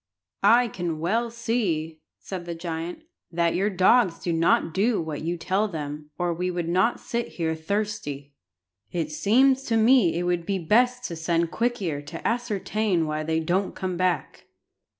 "I can well see," said the giant, "that your dogs do not do what you tell them, or we should not sit here thirsty. It seems to me it would be best to send Quick ear to ascertain why they don't come back."